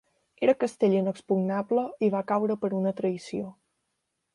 Era castell inexpugnable i va caure per una traïció.